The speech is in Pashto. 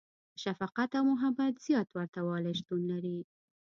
• د شفقت او محبت زیات ورتهوالی شتون لري.